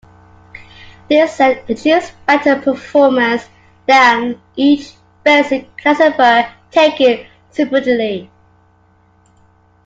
This set achieves better performance than each basic classifier taken separately.